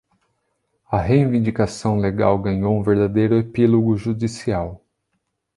A reivindicação legal ganhou um verdadeiro epílogo judicial.